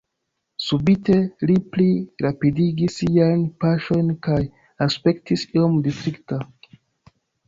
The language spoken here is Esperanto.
Subite li pli rapidigis siajn paŝojn kaj aspektis iom distrita.